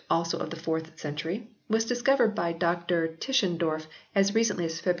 also of the 4th century, was discovered by Dr Tischendorf as recently as Feb.